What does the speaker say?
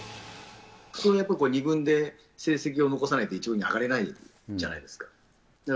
普通はやっぱり２軍で成績を残さないと１軍に上がれないじゃないですか。